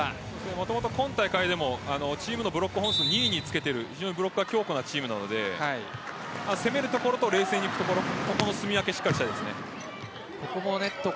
もともと今大会でもチームのブロック本数２位につけているブロックが強固なチームなので攻めるところと冷静にいくところのすみ分けをしっかりしたいですね。